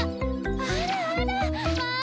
あらあらまあ！